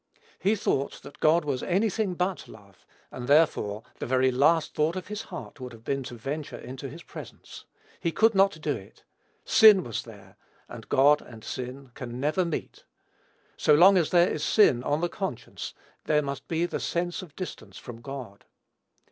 He thought that God was any thing but love; and, therefore, the very last thought of his heart would have been to venture into his presence. He could not do it. Sin was there, and God and sin can never meet; so long as there is sin on the conscience, there must be the sense of distance from God.